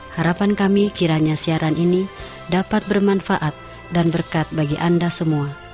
harapan kami kiranya siaran ini dapat bermanfaat dan berkat bagi anda semua